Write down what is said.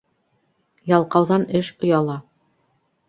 Ялҡауҙан эш ояла.